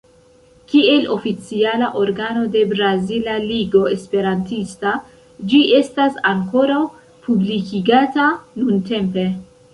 Kiel oficiala organo de Brazila Ligo Esperantista, ĝi estas ankoraŭ publikigata nuntempe.